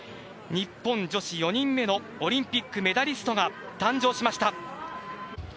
日本女子４人目のオリンピックメダリストが誕生しました。